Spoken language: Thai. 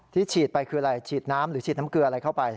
ฉีดไปคืออะไรฉีดน้ำหรือฉีดน้ำเกลืออะไรเข้าไป